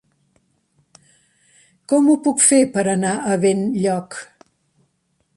Com ho puc fer per anar a Benlloc?